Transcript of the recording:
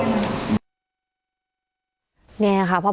แต่ความดันปกติไหมคะหมอความดันลดลง